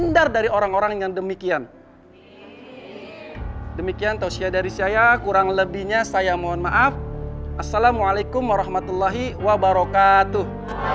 waalaikumsalam warahmatullahi wabarakatuh